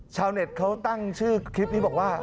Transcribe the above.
ชาวเน็ตเขาตั้งชื่อคลิปนี้บอกว่า